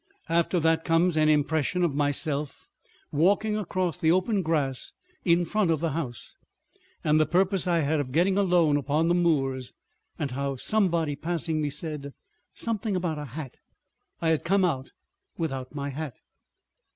... After that comes an impression of myself walking across the open grass in front of the house, and the purpose I had of getting alone upon the moors, and how somebody passing me said something about a hat. I had come out without my hat.